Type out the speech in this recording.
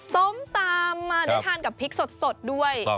ต้มตำมาได้ทานกับพริกสดด้วย